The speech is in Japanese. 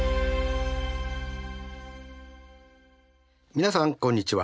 皆さんこんにちは。